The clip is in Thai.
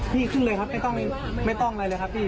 พี่คลุยเลยครับไม่ต้องอะไรเลยครับพี่